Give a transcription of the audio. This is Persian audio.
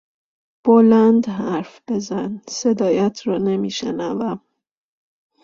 بلند حرف بزن، صدایت را نمیشنوم!